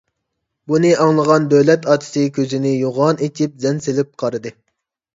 بۇنى ئاڭلىغان دۆلەت ئاتىسى كۆزىنى يوغان ئېچىپ زەن سېلىپ قارىدى.